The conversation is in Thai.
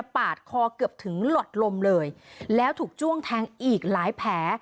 ปาดคอเกือบถึงหลอดลมเลยแล้วถูกจ้วงแทงอีกหลายแผล